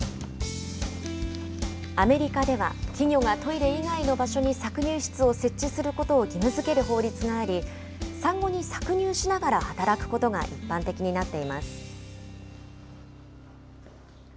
アメリカでは、企業がトイレ以外の場所に搾乳室を設置することを義務づける法律があり、産後に搾乳しながら働くことが一般的になっています。